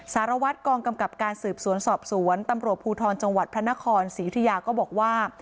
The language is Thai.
สารวัตรกองกำกับการสืบสวนสอบสวนตำรวจภูทรจังหวัดพระนครศรียุธิยาก็บอกว่า